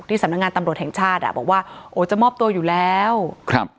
สำนักงานตำรวจแห่งชาติอ่ะบอกว่าโอ้จะมอบตัวอยู่แล้วครับ